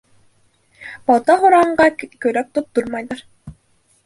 Балта һорағанға кәрәк тоттормайҙар.